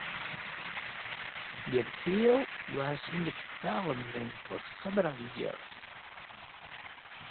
The film was in development for several years.